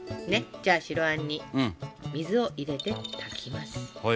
ねっじゃあ白あんに水を入れて炊きます。